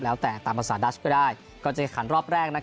แล้วแต่ตามภาษาดัชก็ได้ก็จะแข่งขันรอบแรก